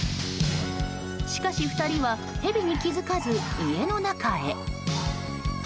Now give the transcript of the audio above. しかし、２人はヘビに気づかず家の中へ。